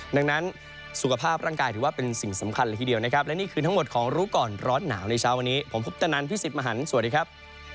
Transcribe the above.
ดังนั้นสุขภาพร่างกายถือว่าเป็นสิ่งสำคัญเลยทีเดียวนะครับและนี่คือทั้งหมดของรู้ก่อนร้อนหนาวในเช้าวันนี้ผมพุทธนันพี่สิทธิ์มหันฯสวัสดีครับ